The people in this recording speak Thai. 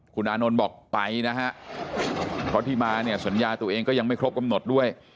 คุณอานนท์บอกไปนะฮะเพราะที่มาเนี่ยสัญญาตัวเองก็ยังไม่ครบกำหนดด้วย